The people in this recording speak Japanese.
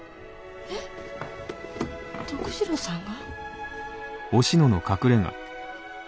えっ徳次郎さんが？